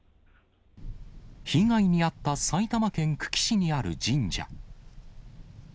被害に遭った埼玉県久喜市にある神社。